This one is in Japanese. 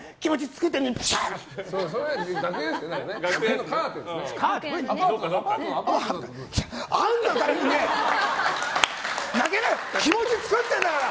気持ち作ってるんだから！